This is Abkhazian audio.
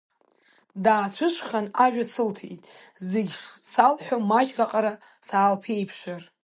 Даацәышхан, ажәа сылҭеит зегь шсалҳәо, маҷк аҟара саалԥеиԥшыр.